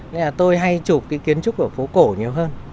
nên là tôi hay chụp cái kiến trúc của phố cổ nhiều hơn